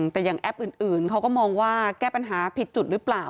แต่อย่างแอปอื่นเขาก็มองว่าแก้ปัญหาผิดจุดหรือเปล่า